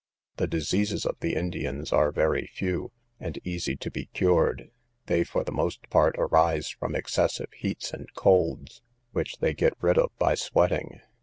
The diseases of the Indians are very few, and easy to be cured: they for the most part arise from excessive heats and colds, which they get rid of by sweating.